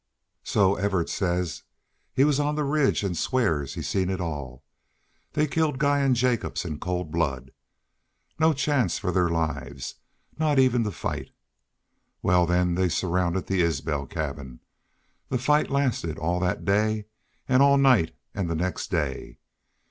"So Evarts says. He was on the ridge an' swears he seen it all. They killed Guy an' Jacobs in cold blood. No chance fer their lives not even to fight! ... Wall, hen they surrounded the Isbel cabin. The fight last all thet day an' all night an' the next day.